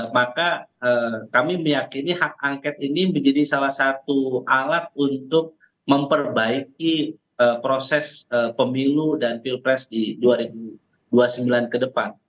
maka kami meyakini hak angket ini menjadi salah satu alat untuk memperbaiki proses pemilu dan pilpres di dua ribu dua puluh sembilan ke depan